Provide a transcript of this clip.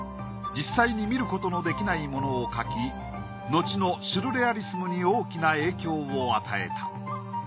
実際に見ることのできないものを描きのちのシュルレアリスムに大きな影響を与えた。